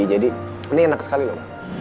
jadi ini enak sekali lho